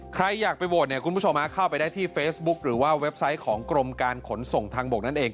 ใครอยากไปโหวตเนี่ยคุณผู้ชมเข้าไปได้ที่เฟซบุ๊คหรือว่าเว็บไซต์ของกรมการขนส่งทางบกนั่นเอง